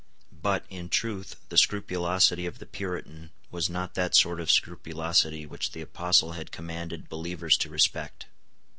But, in truth, the scrupulosity of the Puritan was not that sort of scrupulosity which the Apostle had commanded believers to respect.